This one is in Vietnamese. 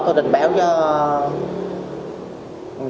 và tôi đã đặt tài sản